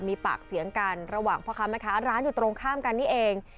มีปากเสียงกันระหว่างพ่อค้าแม่ค้าร้านอยู่ตรงข้ามกันนี่เอง